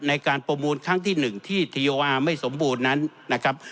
ในการประมูลครั้งที่๑ที่ทีโอวาไม่สมบูรณ์นั้นนะครับ